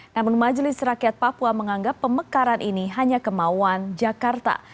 namun majelis rakyat papua menganggap pemekaran ini hanya kemauan jakarta